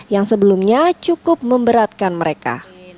yang sebelumnya cukup memberatkan mereka